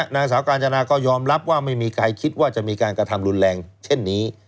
นางสาวกาญจนาก็ยอมรับว่าไม่มีใครคิดว่าจะมีการกระทำรุนแรงเช่นนี้